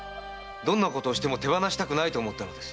どうしても手放したくないと思ったのです。